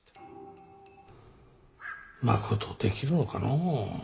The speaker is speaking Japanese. まことできるのかのう。